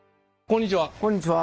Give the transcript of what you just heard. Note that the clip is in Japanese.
こんにちは。